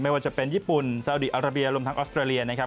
ว่าจะเป็นญี่ปุ่นซาวดีอาราเบียรวมทั้งออสเตรเลียนะครับ